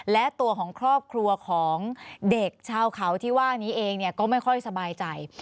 และตัวของครอบครัวของเด็กชาวเขาที่ว่านี้เองก็ไม่ค่อยสบายใจ